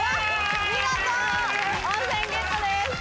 見事温泉ゲットです。